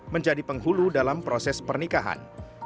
menjadi penghulu dalam proses pernikahan